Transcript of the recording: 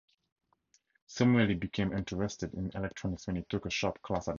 Samueli became interested in electronics when he took a shop class at Bancroft.